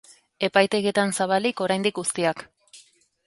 Epaitegietan zabalik oraindik guztiak.